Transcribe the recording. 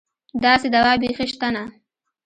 داسې دوا بېخي شته نه.